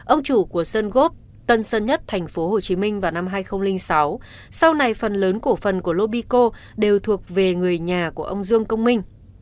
ông chủ của sơn gốc tân sơn nhất tp hcm vào năm hai nghìn sáu sau này phần lớn cổ phần của lobico đều thuộc về người nhà của ông dương công minh